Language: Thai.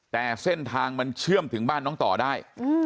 แต่เส้นทางมันเชื่อมถึงบ้านน้องต่อได้